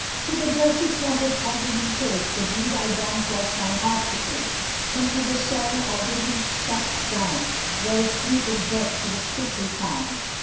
To the dirty closet I did him take, The deed I done caus'd my heart to ache, Into the soil I did him thrust down, Where asleep in death he was quickly found.